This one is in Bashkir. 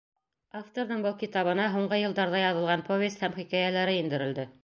Авторҙың был китабына һуңғы йылдарҙа яҙылған повесть һәм хикәйәләре индерелде.